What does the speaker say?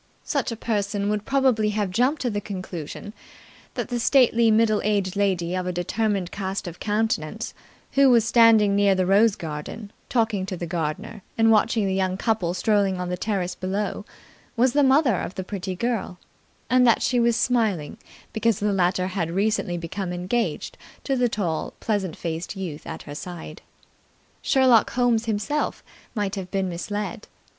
Such a person would probably have jumped to the conclusion that the middle aged lady of a determined cast of countenance who was standing near the rose garden, talking to the gardener and watching the young couple strolling on the terrace below, was the mother of the pretty girl, and that she was smiling because the latter had recently become engaged to the tall, pleasant faced youth at her side. Sherlock Holmes himself might have been misled.